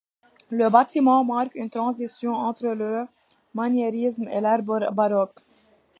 Le bâtiment marque une transition entre le maniérisme et l'ère baroque.